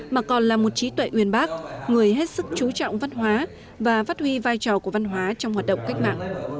mà còn là một trí tuệ uyên bác người hết sức trú trọng văn hóa và phát huy vai trò của văn hóa trong hoạt động cách mạng